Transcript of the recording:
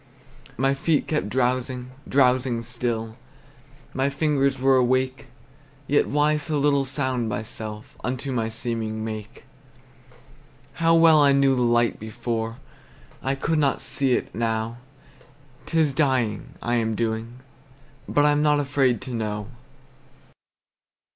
My feet kept drowsing, drowsing still, My fingers were awake; Yet why so little sound myself Unto my seeming make? How well I knew the light before! I could not see it now. 'T is dying, I am doing; but I'm not afraid to know.